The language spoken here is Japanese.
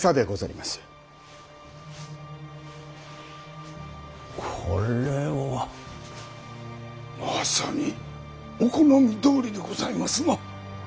まさにお好みどおりでございますな。